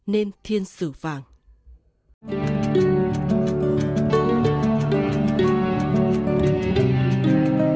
nên thiên sử vàng